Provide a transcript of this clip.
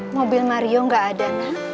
mobil mario gak ada